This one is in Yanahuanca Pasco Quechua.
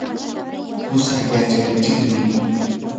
qusaa yachachiqmi.